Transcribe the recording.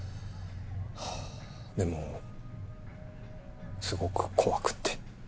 ハァでもすごく怖くて。